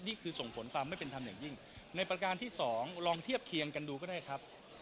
นี่คือส่งผลความไม่เป็นธรรมอย่างยิ่งในประการที่สองลองเทียบเคียงกันดูก็ได้ครับ